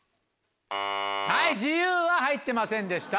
はい自由は入ってませんでした。